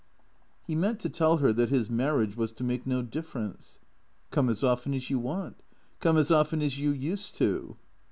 He meant to tell her that his marriage was to make no dif ference. " Come as often as you want. Come as often as you used to."